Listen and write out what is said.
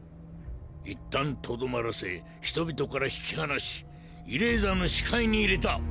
いったん留まらせ人々から引き離しイレイザーの視界に入れた。